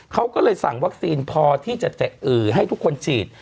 เขาก็เลยสั่งวัคซีนพอที่จะให้ทุกคนฉีด